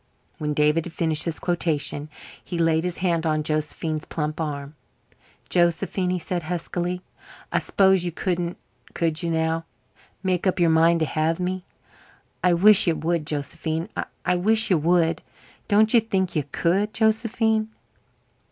When David had finished his quotation he laid his hand on Josephine's plump arm. "Josephine," he said huskily, "I s'pose you couldn't could you now? make up your mind to have me. I wish you would, Josephine I wish you would. Don't you think you could, Josephine?"